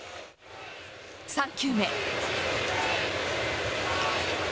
３球目。